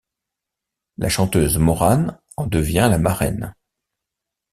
La chanteuse Maurane en devient la marraine.